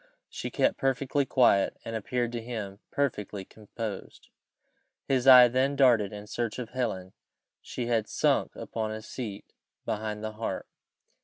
She kept perfectly quiet, and appeared to him perfectly composed. His eye then darted in search of Helen; she had sunk upon a seat behind the harp.